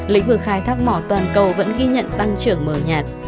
lĩnh vực khai thác mỏ toàn cầu vẫn ghi nhận tăng trưởng mờ nhạt